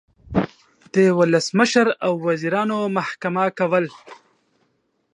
د ولسمشر او وزیرانو محکمه کول